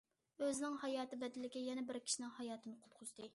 ئۆزىنىڭ ھاياتى بەدىلىگە يەنە بىر كىشىنىڭ ھاياتىنى قۇتقۇزدى.